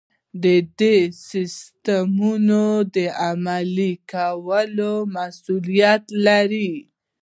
هغوی ددې سیسټمونو د عملي کولو مسؤلیت لري.